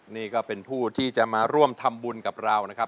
นี่ก็เป็นผู้ที่จะมาร่วมทำบุญกับเรานะครับ